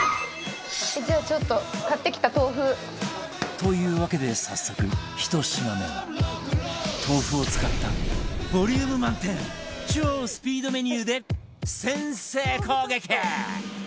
というわけで早速１品目は豆腐を使ったボリューム満点超スピードメニューで先制攻撃！